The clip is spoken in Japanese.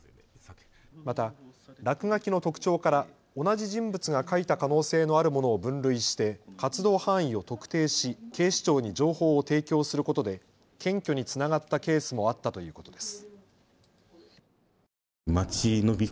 また落書きの特徴から同じ人物が描いた可能性のあるものを分類して活動範囲を特定し警視庁に情報を提供することで検挙につながったケースもあったということです。